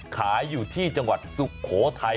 ขายอยู่ที่จังหวัดสุโภคไทย